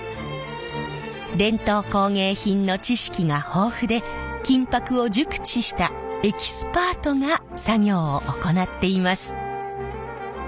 伝統工芸品の知識が豊富で金箔を熟知したエキスパートが作業を行っています。